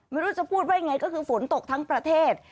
ไม่รู้จะพูดว่ายังไงก็คือฝนตกทั้งประเทศ